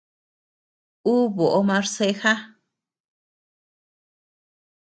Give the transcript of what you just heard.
Ú boʼo marceja.